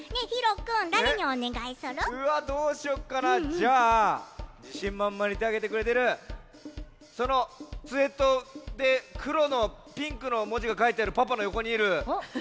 じゃあじしんまんまんにてあげてくれてるそのスウェットでくろのピンクのもじがかいてあるパパのよこにいるおともだちにしようかな。